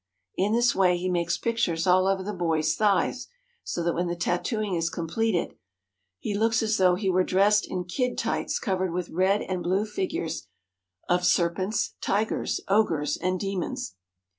In this way he makes pictures all over the boy's thighs, so that when the tattooing is completed he looks as though he were dressed in kid tights covered with red and blue figures of serpents, tigers, ogres, and demons.